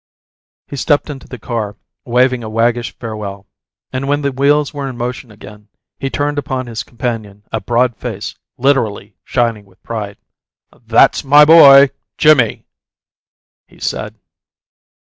He stepped into the car, waving a waggish farewell, and when the wheels were in motion again, he turned upon his companion a broad face literally shining with pride. "That's my boy Jimmie!" he said.